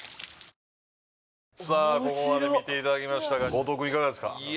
ここまで見ていただきましたが後藤くんいかがですか？